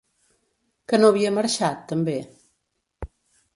Que no havia marxat, també?